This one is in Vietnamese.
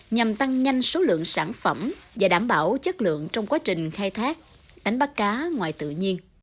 nhằm tăng nhanh số lượng sản phẩm và đảm bảo chất lượng trong quá trình khai thác đánh bắt cá ngoài tự nhiên